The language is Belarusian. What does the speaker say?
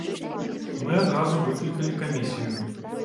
Мы адразу выклікалі камісію.